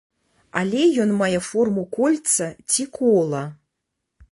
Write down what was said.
Але ён мае форму кольца, ці кола.